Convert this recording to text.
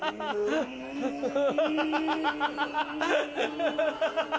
ハハハハ。